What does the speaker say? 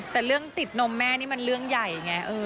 แต่เรื่องติดนมแม่นี่มันเรื่องใหญ่ไง